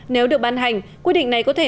nếu được ban hành quy định này có thể